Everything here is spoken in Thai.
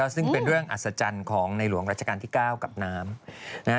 ซึ่งเป็นเรื่องอัศจรรย์ของในหลวงราชการที่๙กับน้ำนะฮะ